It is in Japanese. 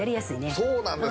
そうなんです